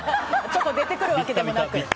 ちょっと出てくるわけでもなく。